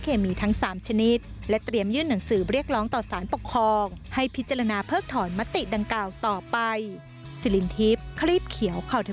กับสารปกครองให้พิจารณาเพิ่มถอนมติดังกล่าวต่อไป